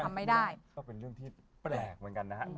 ทำไม่ได้ก็เป็นเรื่องที่แปลกเหมือนกันนะฮะ